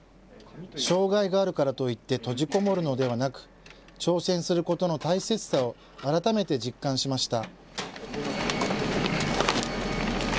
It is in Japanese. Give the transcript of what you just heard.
障害があるからといって閉じこもるのではなく、挑戦することの大切さを改めて実感しました。